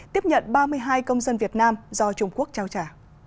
tiếp nhận ba mươi hai công dân việt nam do trung quốc trao trả